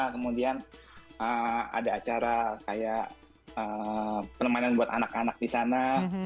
kemudian ada acara kayak penemanan buat anak anak di sana